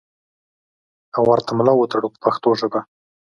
او ورته ملا وتړو په پښتو ژبه.